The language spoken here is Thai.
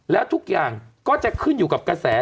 แล้วทุกอย่างก็จะขึ้นอยู่กับกระแส